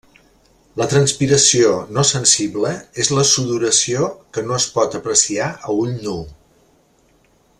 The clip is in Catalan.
La transpiració no sensible és la sudoració que no es pot apreciar a ull nu.